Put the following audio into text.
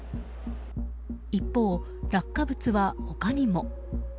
一方、落下物は他にも。